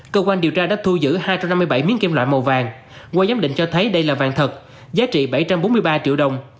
cơ quan điều tra đã thu giữ hai trăm năm mươi bảy miếng kim loại màu vàng qua giám định cho thấy đây là vàng thật giá trị bảy trăm bốn mươi ba triệu đồng